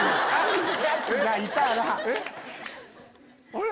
あれ？